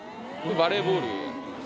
バレーボール？